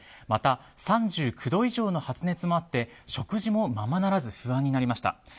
また３９度以上の発熱もあって食事もままならず不安になりました。